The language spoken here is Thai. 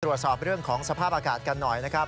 ตรวจสอบเรื่องของสภาพอากาศกันหน่อยนะครับ